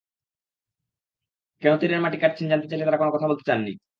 কেন তীরের মাটি কাটছেন জানতে চাইলে তাঁরা কোনো কথা বলতে চাননি।